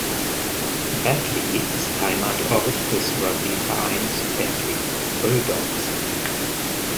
Batley ist Heimatort des Rugby-Vereins Batley Bulldogs.